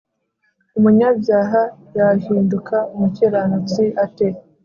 Umunyabyaha yahinduka umukiranutsi ate?